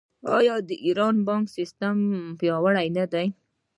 آیا د ایران بانکي سیستم پیاوړی نه دی؟